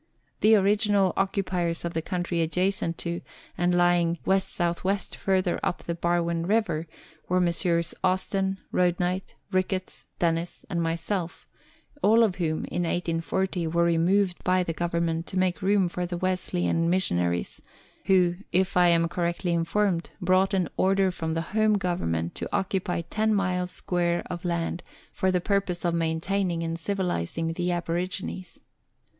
The original occupiers of the country adjacent to, and lying W.S.W. further up the Barwon River, were Messrs. Austin, Roadknight, Ricketts, Dennis, and myself, all of whom, in 1840, were removed by the Government to make room for the Wesleyan missionaries, who, if I am correctly informed, brought an order from the Home Government to occupy ten miles square of land for the purpose of maintaining and civilizing the aborigines.